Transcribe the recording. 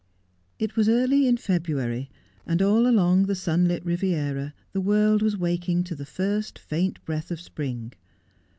It was early in February, and all along the sunlit Riviera the world was waking to the first faint breath of spring.